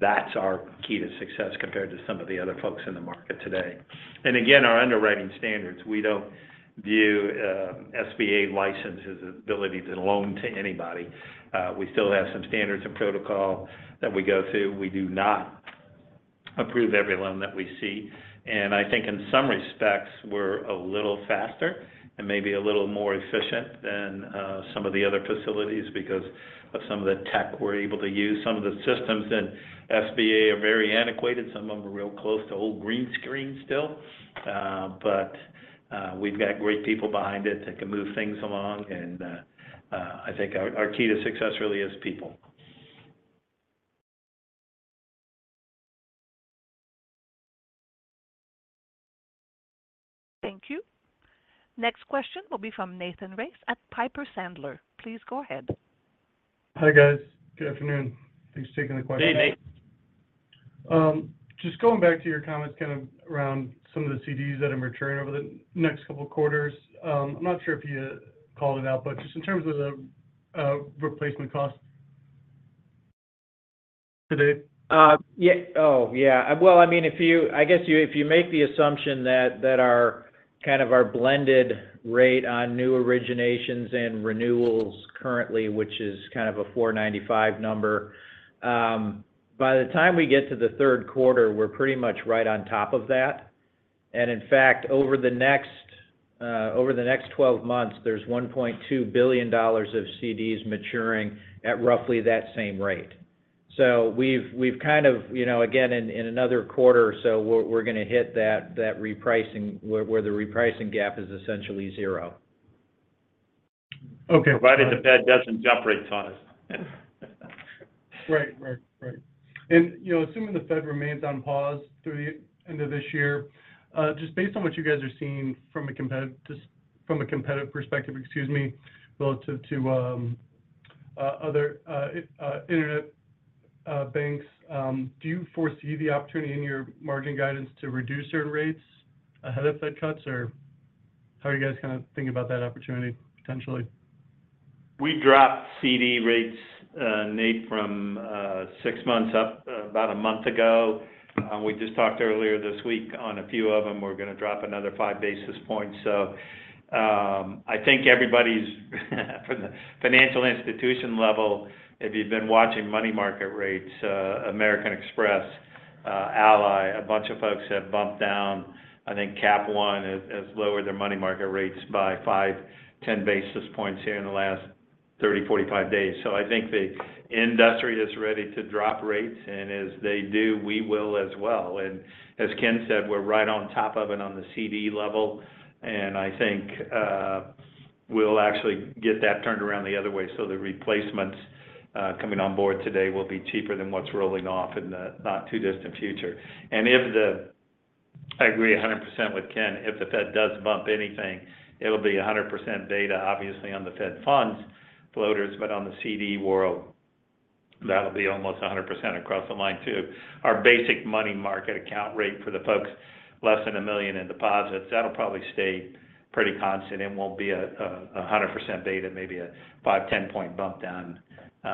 that's our key to success compared to some of the other folks in the market today. And again, our underwriting standards, we don't view SBA lenders' ability to loan to anybody. We still have some standards and protocol that we go through. We do not approve every loan that we see. I think in some respects, we're a little faster and maybe a little more efficient than some of the other facilities because of some of the tech we're able to use. Some of the systems in SBA are very antiquated. Some of them are real close to old green screen still, but we've got great people behind it that can move things along. I think our key to success really is people. Thank you. Next question will be from Nathan Race at Piper Sandler. Please go ahead. Hi, guys. Good afternoon. Thanks for taking the question. Hey, Nate. Just going back to your comments kind of around some of the CDs that are maturing over the next couple of quarters. I'm not sure if you called it out, but just in terms of the replacement cost today. Yeah. Oh, yeah. Well, I mean, if you I guess if you make the assumption that our kind of our blended rate on new originations and renewals currently, which is kind of a 4.95 number, by the time we get to Q3, we're pretty much right on top of that. And in fact, over the next 12 months, there's $1.2 billion of CDs maturing at roughly that same rate. So we've kind of again, in another quarter or so, we're going to hit that repricing where the repricing gap is essentially zero. Okay. Provided the Fed doesn't jump rates on us. Right. Right. Right. And assuming the Fed remains on pause through the end of this year, just based on what you guys are seeing from a competitive perspective, excuse me, relative to other internet banks, do you foresee the opportunity in your margin guidance to reduce certain rates ahead of Fed cuts, or how are you guys kind of thinking about that opportunity potentially? We dropped CD rates, Nate, from 6 months up about a month ago. We just talked earlier this week on a few of them. We're going to drop another 5 basis points. So I think everybody's from the financial institution level, if you've been watching money market rates, American Express, Ally, a bunch of folks have bumped down. I think Cap One has lowered their money market rates by 5/10 basis points here in the last 30/45 days. So I think the industry is ready to drop rates, and as they do, we will as well. And as Ken said, we're right on top of it on the CD level, and I think we'll actually get that turned around the other way so the replacements coming on board today will be cheaper than what's rolling off in the not too distant future. I agree 100% with Ken. If the Fed does bump anything, it'll be 100% beta, obviously, on the Fed funds, floaters, but on the CD world, that'll be almost 100% across the line too. Our basic money market account rate for the folks less than $1 million in deposits, that'll probably stay pretty constant. It won't be 100% beta, maybe a 5/10 point bump down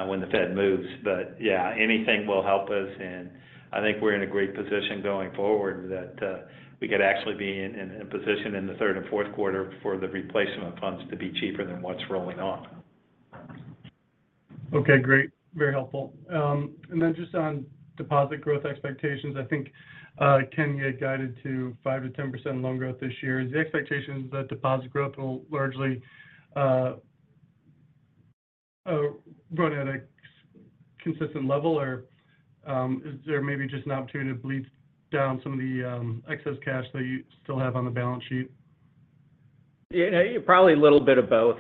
when the Fed moves. But yeah, anything will help us, and I think we're in a great position going forward that we could actually be in position in the third and Q4 for the replacement funds to be cheaper than what's rolling off. Okay. Great. Very helpful. And then just on deposit growth expectations, I think Ken you had guided to 5% to 10% loan growth this year. Is the expectation is that deposit growth will largely run at a consistent level, or is there maybe just an opportunity to bleed down some of the excess cash that you still have on the balance sheet? You know, probably a little bit of both,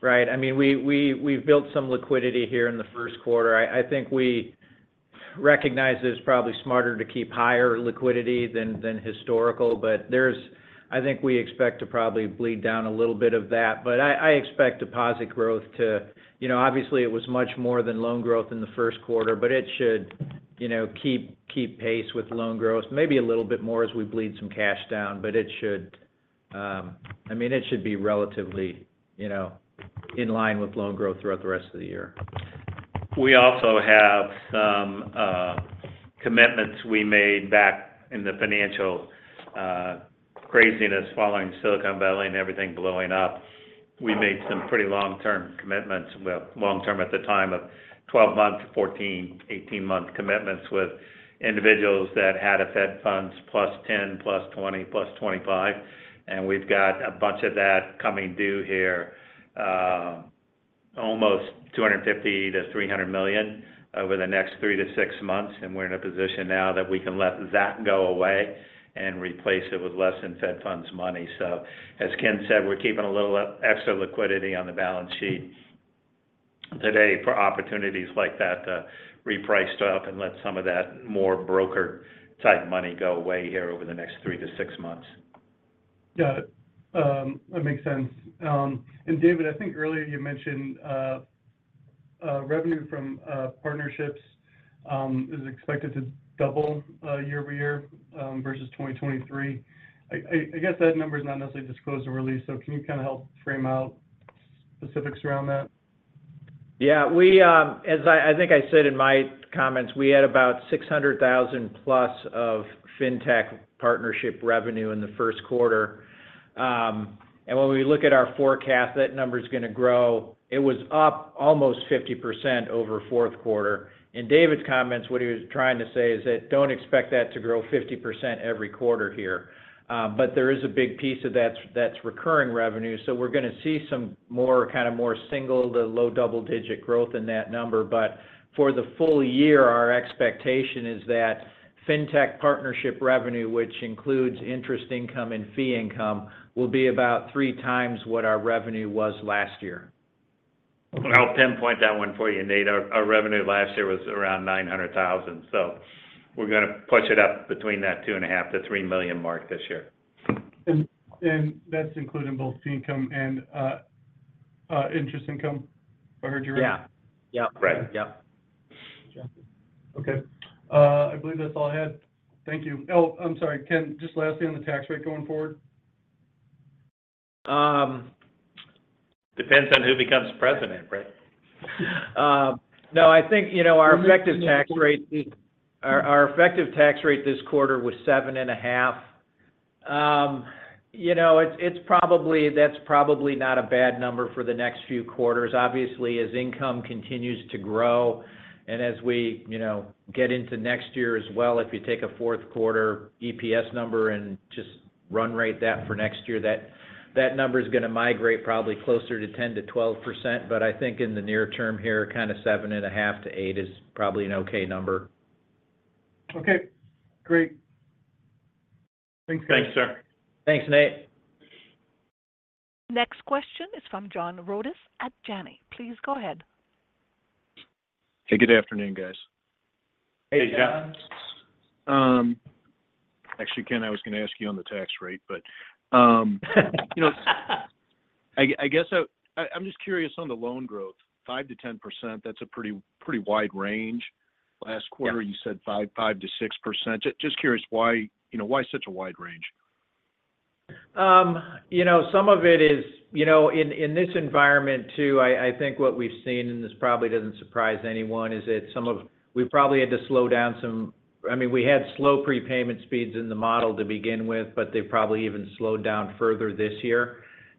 right? I mean, we've built some liquidity here in Q1. I think we recognize it's probably smarter to keep higher liquidity than historical, but there's, I think we expect to probably bleed down a little bit of that. But I expect deposit growth to obviously, it was much more than loan growth in Q1, but it should keep pace with loan growth, maybe a little bit more as we bleed some cash down, but it should, I mean, it should be relatively in line with loan growth throughout the rest of the year. We also have some commitments we made back in the financial craziness following Silicon Valley Bank and everything blowing up. We made some pretty long-term commitments. We have long-term, at the time, 12-month to 14, 18-month commitments with individuals that had a Fed funds +10, +20, +25. We've got a bunch of that coming due here, almost $250 million to $300 million over the next three to six months. We're in a position now that we can let that go away and replace it with less than Fed funds money. So as Ken said, we're keeping a little extra liquidity on the balance sheet today for opportunities like that to reprice stuff and let some of that more broker-type money go away here over the next three to six months. Got it. That makes sense. And David, I think earlier you mentioned revenue from partnerships is expected to double year-over-year versus 2023. I guess that number is not necessarily disclosed or released, so can you kind of help frame out specifics around that? Yeah. As I think I said in my comments, we had about $600,000+ of fintech partnership revenue in Q1. When we look at our forecast, that number is going to grow. It was up almost 50% over Q4. In David's comments, what he was trying to say is that don't expect that to grow 50% every quarter here. There is a big piece of that's recurring revenue, so we're going to see some more kind of more single- to low double-digit growth in that number. For the full year, our expectation is that fintech partnership revenue, which includes interest income and fee income, will be about 3x what our revenue was last year. I'll pinpoint that one for you, Nate. Our revenue last year was around $900,000, so we're going to push it up between that $2.5 to $3 million mark this year. That's including both fee income and interest income? I heard you right? Yeah. Yep. Right. Yep. Okay. I believe that's all I had. Thank you. Oh, I'm sorry, Ken, just lastly on the tax rate going forward. Depends on who becomes president, right? No, I think our effective tax rate this quarter was 7.5%. It's probably not a bad number for the next few quarters. Obviously, as income continues to grow and as we get into next year as well, if you take a Q4 EPS number and just run-rate that for next year, that number is going to migrate probably closer to 10% to 12%. But I think in the near term here, kind of 7.5% to 8% is probably an okay number. Okay. Great. Thanks, guys. Thanks, sir. Thanks, Nate. Next question is from John Rodis at Janney. Please go ahead. Hey, good afternoon, guys. Hey, John. Actually, Ken, I was going to ask you on the tax rate, but I guess I'm just curious on the loan growth. 5% to 10%, that's a pretty wide range. Last quarter, you said 5% to 6%. Just curious why such a wide range? Some of it is in this environment too. I think what we've seen, and this probably doesn't surprise anyone, is that some of it we probably had to slow down some. I mean, we had slow prepayment speeds in the model to begin with, but they've probably even slowed down further this year.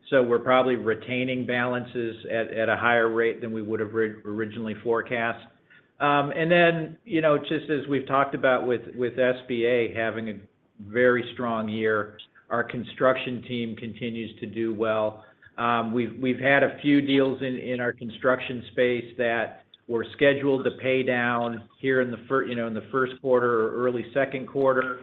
So we're probably retaining balances at a higher rate than we would have originally forecast. And then just as we've talked about with SBA having a very strong year, our construction team continues to do well. We've had a few deals in our construction space that were scheduled to pay down here in Q1 or early Q2,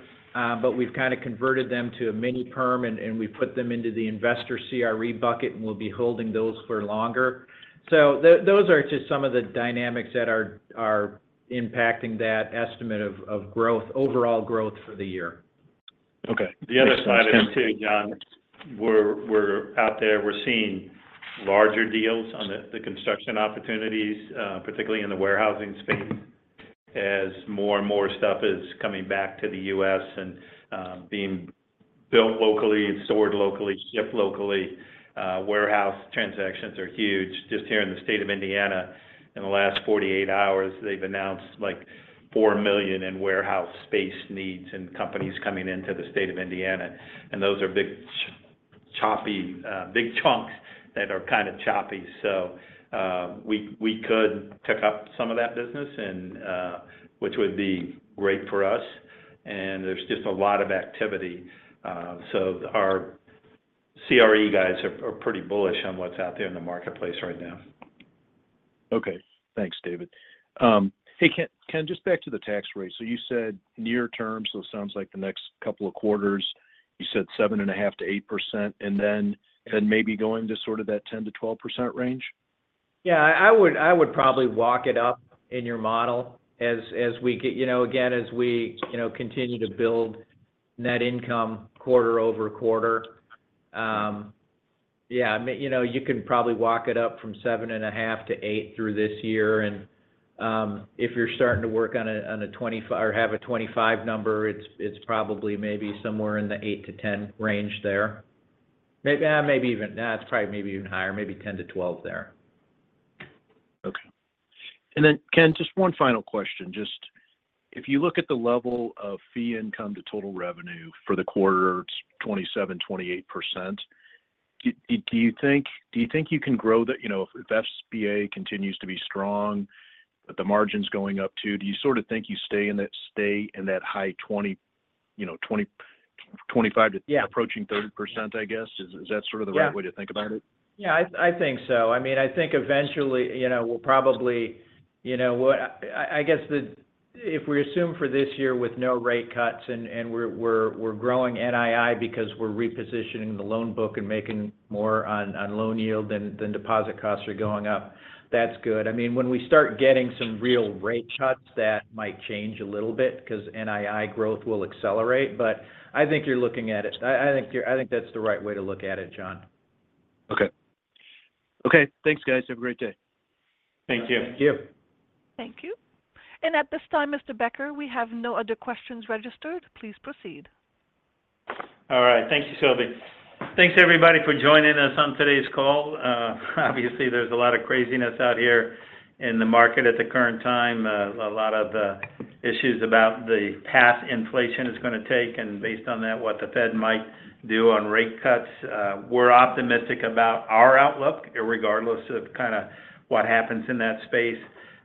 but we've kind of converted them to a mini-perm and we've put them into the investor CRE bucket and we'll be holding those for longer. Those are just some of the dynamics that are impacting that estimate of growth, overall growth for the year. Okay. The other side of it too, John, we're out there. We're seeing larger deals on the construction opportunities, particularly in the warehousing space, as more and more stuff is coming back to the US and being built locally and stored locally, shipped locally. Warehouse transactions are huge. Just here in the state of Indiana, in the last 48 hours, they've announced 4 million in warehouse space needs and companies coming into the state of Indiana. And those are big chunks that are kind of choppy. So we could tuck up some of that business, which would be great for us. And there's just a lot of activity. So our CRE guys are pretty bullish on what's out there in the marketplace right now. Okay. Thanks, David. Hey, Ken, just back to the tax rate. So you said near term, so it sounds like the next couple of quarters, you said 7.5% to 8%, and then maybe going to sort of that 10% to 12% range? Yeah. I would probably walk it up in your model as we again, as we continue to build net income quarter over quarter. Yeah. I mean, you can probably walk it up from 7.5 to 8 through this year. And if you're starting to work on a 2025 or have a 2025 number, it's probably maybe somewhere in the 8 to 10 range there. Maybe even. No, it's probably maybe even higher, maybe 10 to 12 there. Okay. And then, Ken, just one final question. Just if you look at the level of fee income to total revenue for the quarter, it's 27% to 28%. Do you think you can grow that if SBA continues to be strong, but the margin's going up too, do you sort of think you stay in that high 25% to approaching 30%, I guess? Is that sort of the right way to think about it? Yeah. Yeah. I think so. I mean, I think eventually we'll probably, I guess, if we assume for this year with no rate cuts and we're growing NII because we're repositioning the loan book and making more on loan yield than deposit costs are going up, that's good. I mean, when we start getting some real rate cuts, that might change a little bit because NII growth will accelerate. But I think you're looking at it. I think that's the right way to look at it, John. Okay. Okay. Thanks, guys. Have a great day. Thank you. Thank you. Thank you. At this time, Mr. Becker, we have no other questions registered. Please proceed. All right. Thank you, Sylvie. Thanks, everybody, for joining us on today's call. Obviously, there's a lot of craziness out here in the market at the current time. A lot of the issues about the path inflation it's going to take and based on that, what the Fed might do on rate cuts. We're optimistic about our outlook regardless of kind of what happens in that space.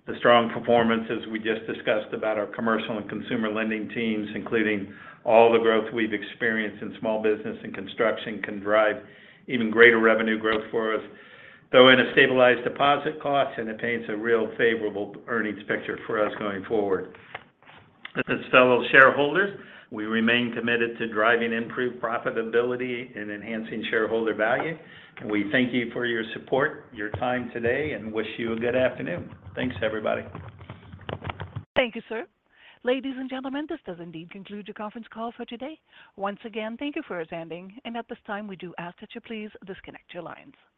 The strong performance, as we just discussed about our commercial and consumer lending teams, including all the growth we've experienced in small business and construction, can drive even greater revenue growth for us, though in a stabilized deposit cost, and it paints a real favorable earnings picture for us going forward. As fellow shareholders, we remain committed to driving improved profitability and enhancing shareholder value. We thank you for your support, your time today, and wish you a good afternoon. Thanks, everybody. Thank you, sir. Ladies and gentlemen, this does indeed conclude your conference call for today. Once again, thank you for attending. And at this time, we do ask that you please disconnect your lines.